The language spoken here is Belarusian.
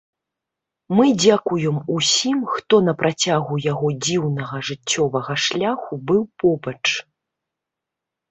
Мы дзякуем усім, хто на працягу яго дзіўнага жыццёвага шляху быў побач.